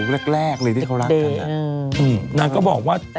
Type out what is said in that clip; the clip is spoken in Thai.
แรกเลยที่เขารักกัน